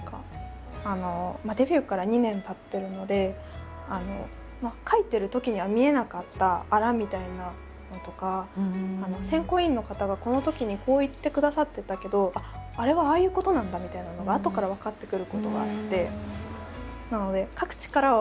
デビューから２年たってるので書いてるときには見えなかったあらみたいなのとか選考委員の方がこのときにこう言ってくださってたけどあっあれはああいうことなんだみたいなのがあとから分かってくることがあって。